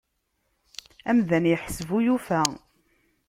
Amdan yeḥseb ur yufa.